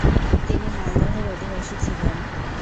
তিনি মালদহের অধিবাসী ছিলেন ।